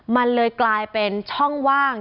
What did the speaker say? มันเลยกลายเป็นช่องว่าง